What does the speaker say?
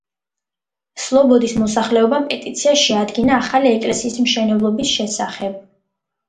სლობოდის მოსახლეობამ პეტიცია შეადგინა ახალი ეკლესიის მშენებლობის შესახებ.